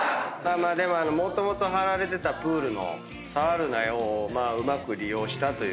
⁉でももともと張られてたプールの「さわるな‼」をうまく利用したと。